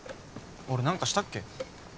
俺何かしたっけ？